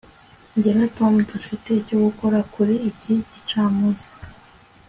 jye na tom dufite icyo gukora kuri iki gicamunsi